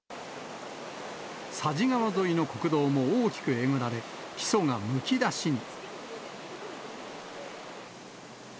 佐治川沿いの国道も大きくえぐられ、基礎がむき出しに。